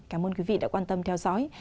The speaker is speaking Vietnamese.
cảm ơn quý vị đã quan tâm theo dõi